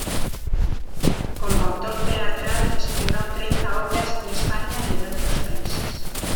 Como autor teatral estrenó treinta obras en España y en otros países.